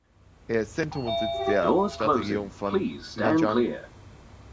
Er ist Zentrum und Sitz der Stadtregierung von Nanchang.